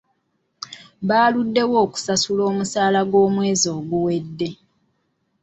Baluddewo okusasula omusaala gw'omwezi oguwedde.